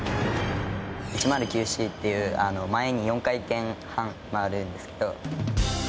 １０９Ｃという前に４回転半回るんですけど。